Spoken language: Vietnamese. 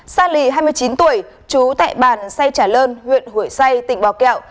sally hai mươi chín tuổi chú tệ bàn say trả lơn huyện hồi say tỉnh bò kẹo